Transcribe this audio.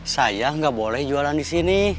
saya nggak boleh jualan di sini